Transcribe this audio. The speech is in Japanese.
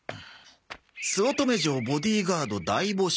「酢乙女城ボディーガード大募集！」